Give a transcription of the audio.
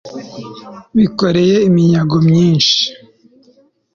bikoreye iminyago myinshi